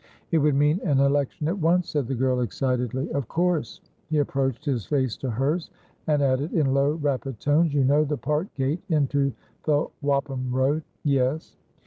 "It would mean an election at once," said the girl, excitedly. "Of course." He approached his face to hers, and added in low, rapid tones, "You know the park gate into the Wapham Road?" "Yes."